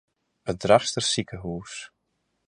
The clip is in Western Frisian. It Drachtster sikehûs.